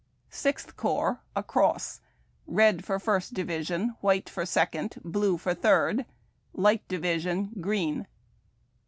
Sixth Corps — a cross: red for First Division; white for Second; blue for Third. (Light Division, green.)